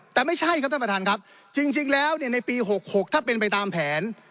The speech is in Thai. แต่ไม่ใช่ครับท่านประธานครับจริงแล้วในปี๖๖ถ้าเป็นไปตามแผน